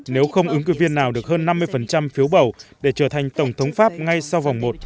nếu không ứng cử viên nào được hơn năm mươi phiếu bầu để trở thành tổng thống pháp ngay sau vòng một